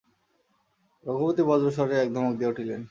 রঘুপতি বজ্রস্বরে এক ধমক দিয়া উঠিলেন।